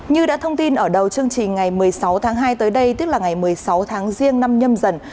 như đã thông tin ở đầu chương trình ngày một mươi sáu tháng hai tới đây tức là ngày một mươi sáu tháng riêng năm nhâm dần